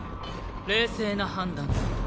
冷静な判断だ。